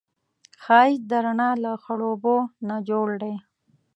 ښایست د رڼا له خړوبو نه جوړ دی